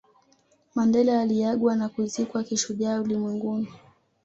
Mandela aliagwa na kuzikwa kishujaa ulimwenguni